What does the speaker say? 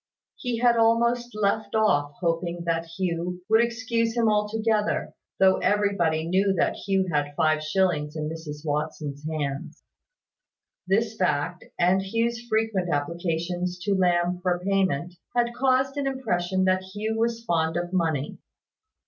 He had almost left off hoping that Hugh, would excuse him altogether, though everybody knew that Hugh had five shillings in Mrs Watson's hands. This fact and Hugh's frequent applications to Lamb for payment, had caused an impression that Hugh was fond of money.